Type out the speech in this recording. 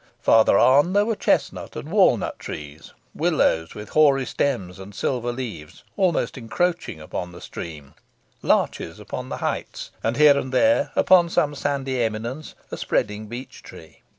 Further on, there were chestnut and walnut trees; willows, with hoary stems and silver leaves, almost encroaching upon the stream; larches upon the heights; and here and there, upon some sandy eminence, a spreading beech tree.